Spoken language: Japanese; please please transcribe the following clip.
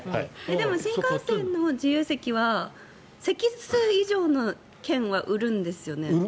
でも、新幹線の自由席は席数以上の券は売るんですよね？